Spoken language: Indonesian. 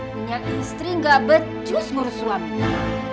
punya istri gak becus ngurus suapnya